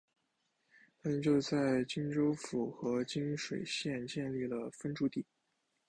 当年就在沂州府和沂水县建立了分驻地。